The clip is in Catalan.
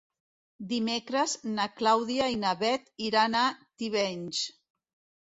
Dimecres na Clàudia i na Bet iran a Tivenys.